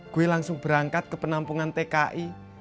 gue langsung berangkat ke penampungan tki